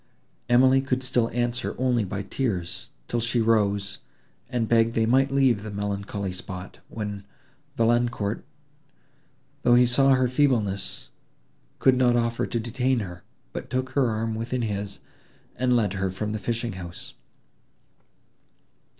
Emily could still answer only by tears, till she rose, and begged they might leave the melancholy spot, when Valancourt, though he saw her feebleness, could not offer to detain her, but took her arm within his, and led her from the fishing house.